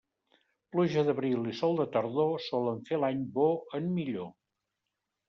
Pluja d'abril i sol de tardor solen fer l'any bo en millor.